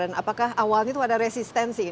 apakah awalnya itu ada resistensi